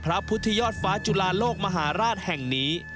พระพุทธยอดฟ้าจุลาโลกมหาราชแห่งนี้